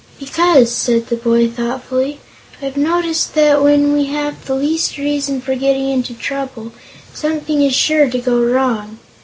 "Because," said the boy, thoughtfully, "I've noticed that when we have the least reason for getting into trouble, something is sure to go wrong.